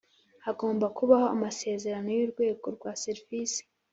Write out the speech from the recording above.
Hagomba kubaho amasezerano y urwego rwa serivisi